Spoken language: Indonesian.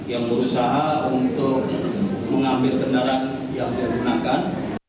yang berusaha untuk mengambil kendaraan yang dikenakan